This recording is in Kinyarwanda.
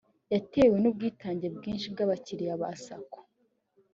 yatewe n’ubwitabire bwinshi bw’abakiriya ba Sacco